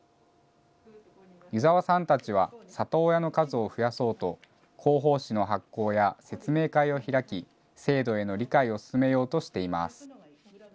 湯澤さんたちは里親の数を増やそうと、広報誌の発行や説明会を開き、制度への理解を進めようとしています。